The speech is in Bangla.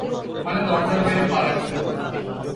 মানে, দরজার বাইরে পা রাখতে হবে!